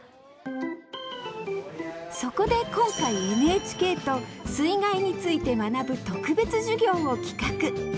そこで今回ＮＨＫと水害について学ぶ特別授業を企画。